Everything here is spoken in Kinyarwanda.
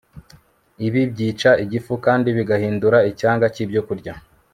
ibi byica igifu kandi bigahindura icyanga cy'ibyokurya